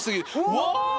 うわ！